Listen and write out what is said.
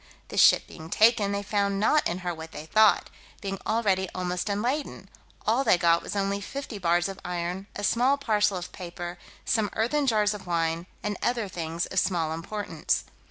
The ship being taken, they found not in her what they thought, being already almost unladen. All they got was only fifty bars of iron, a small parcel of paper, some earthen jars of wine, and other things of small importance.